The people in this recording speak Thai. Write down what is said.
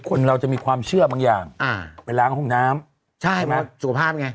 คนเราจะมีความเชื่อบางอย่างอ่าไปล้างห้องน้ำใช่ไหมสุขภาพไง